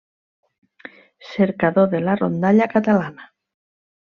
Cercador de la rondalla catalana.